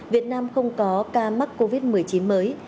việt nam không có ca mắc covid một mươi chín mới